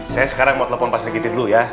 saya sekarang mau telepon pak sigitin dulu ya